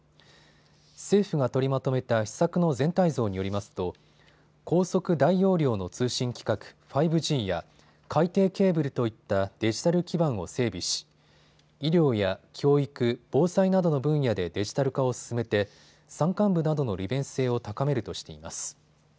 政府が取りまとめた施策の全体像によりますと高速・大容量の通信規格、５Ｇや海底ケーブルといったデジタル基盤を整備し医療や教育、防災などの分野でデジタル化を進めて山間部などの利便性を高めるとしています。